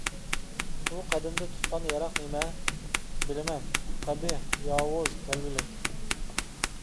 ئۇ قەدىمدە تۇتقان ياراق نېمە؟ بىلىمەن: قەبىھ، ياۋۇز، تەلۋىلىك!